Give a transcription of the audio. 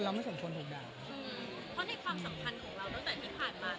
เพราะในความสำคัญของเราตั้งแต่ที่ผ่านมา